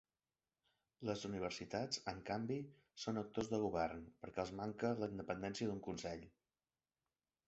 Les universitats, en canvi, són actors de govern perquè els manca la independència d'un Consell.